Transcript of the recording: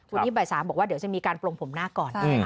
วันนี้บ่าย๓บอกว่าเดี๋ยวจะมีการปลงผมหน้าก่อน